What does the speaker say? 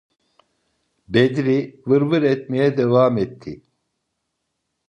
Bedri vırvır etmeye devam etti: